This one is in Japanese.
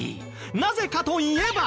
なぜかといえば。